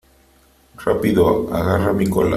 ¡ Rápido !¡ agarra mi cola !